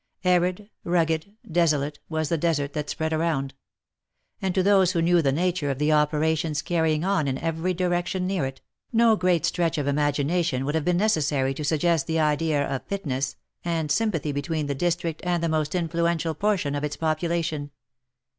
Arid, rugged, desolate, was the desert that spread around ; and to those who knew the nature of the operations carrying on in every direction near it, no great stretch of imagination would have been necessary to suggest the idea of fitness, and sympathy between the district, and the most influential portion of its population.